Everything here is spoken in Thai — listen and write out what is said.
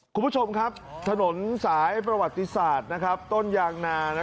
คุณผู้ชมครับถนนสายประวัติศาสตร์ต้นยางนา